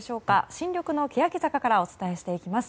新緑のけやき坂からお伝えしていきます。